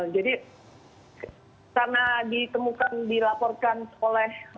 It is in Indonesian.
jadi karena ditemukan dilaporkan oleh